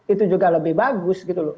itu juga lebih bagus gitu loh